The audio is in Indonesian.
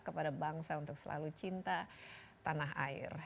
kepada bangsa untuk selalu cinta tanah air